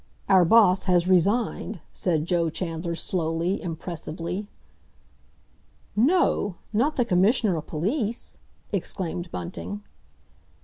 "Our Boss has resigned!" said Joe Chandler slowly, impressively. "No! Not the Commissioner o' Police?" exclaimed Bunting.